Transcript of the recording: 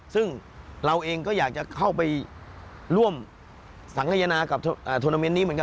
ซึ่งเราเองก็อยากจะเข้าไปร่วมสังขยนากับโทรนาเมนต์นี้เหมือนกัน